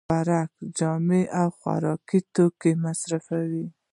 برعکس جامې او خوراکي توکي مصرفوي